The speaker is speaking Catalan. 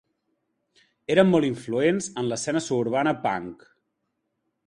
Eren molt influents en l'escena suburbana punk.